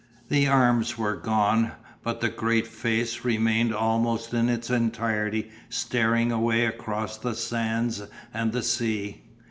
The arms were gone, but the great face remained almost in its entirety staring away across the sands and the sea.